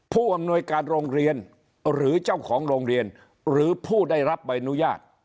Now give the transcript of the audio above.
ผู้อำนวยการโรงเรียนหรือเจ้าของโรงเรียนหรือผู้ได้รับใบอนุญาต